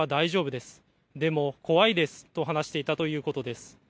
でも怖いですと話していたということです。